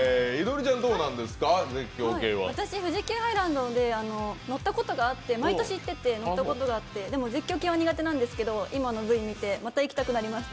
私、富士急ハイランドに毎年行ってて乗ったことがあって、でも絶叫系は苦手なんですけど今のＶ見て、また行きたくなりました。